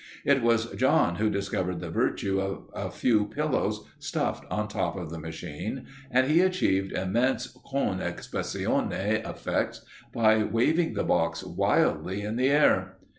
It was John who discovered the virtue of a few pillows stuffed on top of the machine, and he achieved immense con expressione effects by waving the box wildly in the air.